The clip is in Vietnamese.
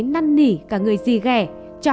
năn nỉ cả người gì ghẻ cho